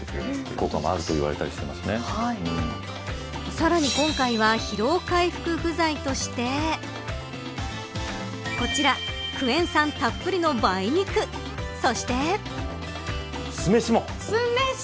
さらに今回は疲労回復具材としてこちらクエン酸たっぷりの梅肉そして。